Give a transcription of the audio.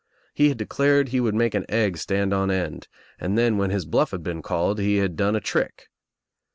He I had declared he would make an egg stand on end and then when his bluff had been called he had done a trick.